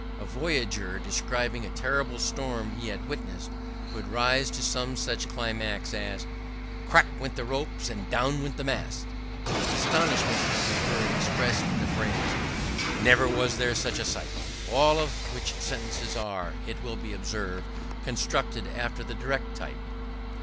A voyager, describing a terrible storm he had witnessed, would rise to some such climax as "Crack went the ropes and down came the mast." Astonishment may be heard expressed in the phrase "Never was there such a sight!" All of which sentences are, it will be observed, constructed after the direct type.